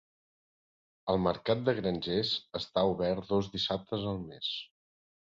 El mercat de grangers està obert dos dissabtes al mes.